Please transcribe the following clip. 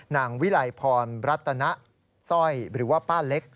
นางวิไลพรบรัตนะซ่อยหรือว่าป้าเล็ก